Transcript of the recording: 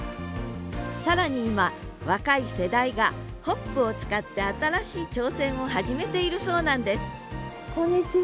更に今若い世代がホップを使って新しい挑戦を始めているそうなんですこんにちは。